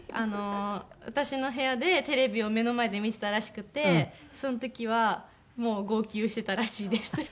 私の部屋でテレビを目の前で見てたらしくてその時はもう号泣してたらしいです。